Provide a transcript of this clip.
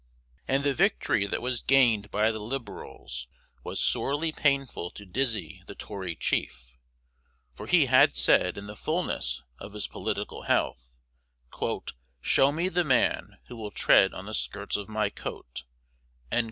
And the victory that was gained by the Liberals was sorely painful to Dizzy the Tory Chief, for he had said in the fulness of his political health, "Show me the man who will tread on the skirts of my coat."